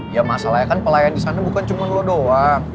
ya masalahnya kan pelayan di sana bukan cuma lo doang